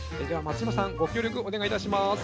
では松嶋さんご協力お願いいたします。